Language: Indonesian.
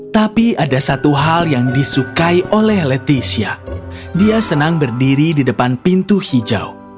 tapi ada satu hal yang disukai oleh leticia dia senang berdiri di depan pintu hijau